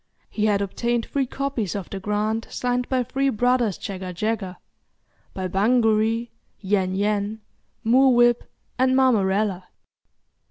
He had obtained three copies of the grant signed by three brothers Jagga Jagga, by Bungaree, Yan Yan, Moorwhip, and Marmarallar.